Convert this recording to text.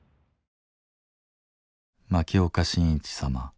「牧岡伸一様。